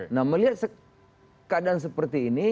nah melihat keadaan seperti ini